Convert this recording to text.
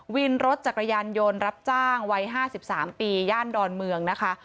วินรถจักรยานยนต์รับจ้างวัย๕๓ปีย่านดอนเมืองนะคะ